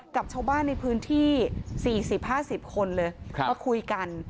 กับชาวบ้านในพื้นที่สี่สิบห้าสิบคนเลยค่ะมาคุยกัน